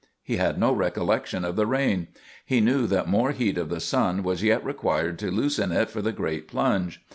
He had no recollection of the rain. He knew that more heat of the sun was yet required to loosen it for the great plunge.